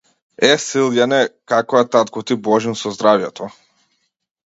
Е, Силјане, како е татко ти Божин со здравјето?